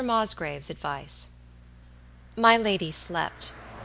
MOSGRAVE'S ADVICE. My lady slept.